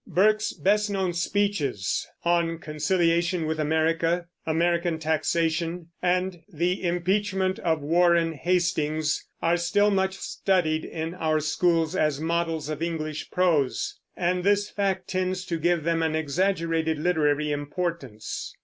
Burke's best known speeches, "On Conciliation with America," "American Taxation," and the "Impeachment of Warren Hastings," are still much studied in our schools as models of English prose; and this fact tends to give them an exaggerated literary importance.